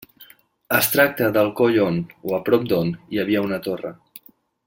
Es tracta del coll on, o a prop d'on, hi havia una torre.